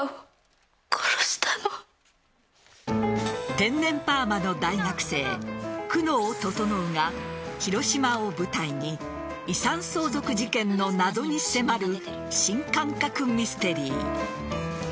天然パーマの大学生・久能整が広島を舞台に遺産相続事件の謎に迫る新感覚ミステリー。